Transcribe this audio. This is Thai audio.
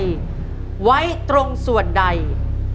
คุณยายแจ้วเลือกตอบจังหวัดนครราชสีมานะครับ